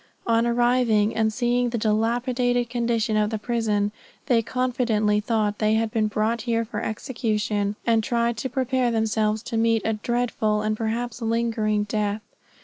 On arriving and seeing the dilapidated condition of the prison, they confidently thought they had been brought here for execution, and tried to prepare themselves to meet a dreadful and perhaps lingering death.